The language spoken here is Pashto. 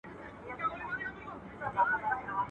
مه کوه په چا، چي و به سي په تا.